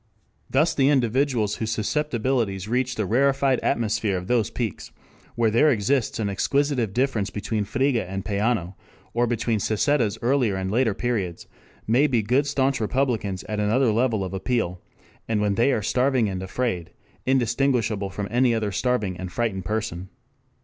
Thus the individuals whose susceptibilities reach the rarefied atmosphere of those peaks where there exists an exquisitive difference between Frege and Peano, or between Sassetta's earlier and later periods, may be good stanch Republicans at another level of appeal, and when they are starving and afraid, indistinguishable from any other starving and frightened person.